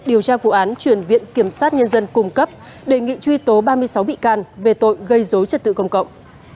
điều tra vụ án chuyển viện kiểm sát nhân dân cung cấp đề nghị truy tố ba mươi sáu bị can về tội gây dối trật tự công cộng